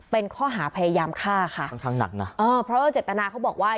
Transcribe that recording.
เป็นข้อหาพยายามฆ่าค่ะค่อนข้างหนักนะเออเพราะว่าเจตนาเขาบอกว่า